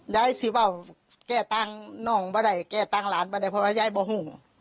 ย้ายสิว่าแกตั้งน้องไม่ได้แกตั้งหลานไม่ได้เพราะว่าย้ายไม่รู้